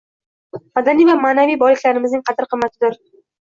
Madaniy va ma’naviy boyliklarimizning qadr-qimmati dir.